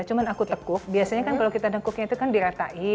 cuma aku tekuk biasanya kan kalau kita dengkuknya itu kan diratain